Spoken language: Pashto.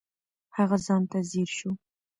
هغه ځان ته ځیر شو.